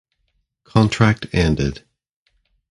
Contract ended.